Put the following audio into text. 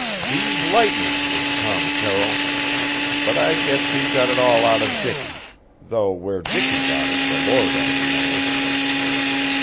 He's lightning, is Tom Terrill. But I guess he got it all out of Dicky, though where Dicky got it the Lord only knows."